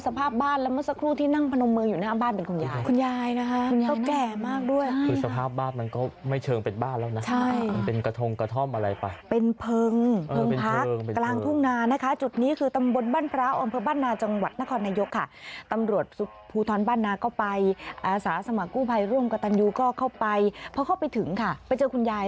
สภาพบ้านและเมื่อสักครู่ที่นั่งพนมเมืองอยู่หน้าบ้านเป็นคุณยาย